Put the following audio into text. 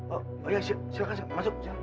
oh iya silahkan masuk